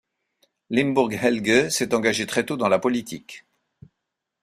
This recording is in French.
Limburg Helge s’est engagé très tôt dans la politique.